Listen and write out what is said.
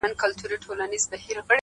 ما چي کوټې ته له آسمان څخه سپوږمۍ راوړې;